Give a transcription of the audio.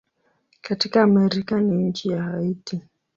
Katika Amerika ni nchi ya Haiti.